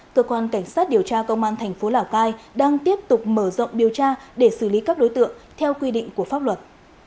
cơ quan cảnh sát điều tra công an thành phố lào cai đang tiếp tục mở rộng điều tra để xử lý các đối tượng theo quy định của pháp luật